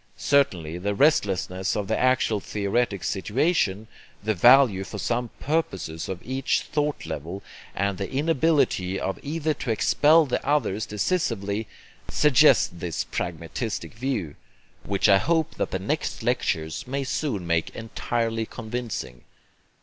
Certainly the restlessness of the actual theoretic situation, the value for some purposes of each thought level, and the inability of either to expel the others decisively, suggest this pragmatistic view, which I hope that the next lectures may soon make entirely convincing.